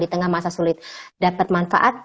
di tengah masa sulit dapat manfaat